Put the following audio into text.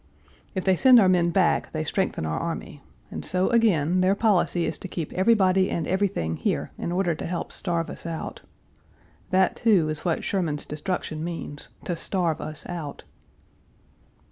If they send our men back they strengthen our army, and so again their policy is to keep everybody and everything here in order to help starve us out. That, too, is what Sherman's destruction means to starve us out.